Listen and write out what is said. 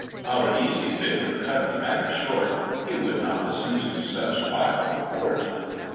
Our easy vicar cut the matter short; He would not listen to such vile report.